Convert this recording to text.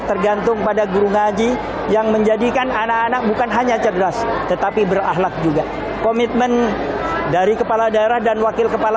tergantung pada guru ngaji yang menjadikan anak anak bukan hanya cerdas tetapi berakhlat juga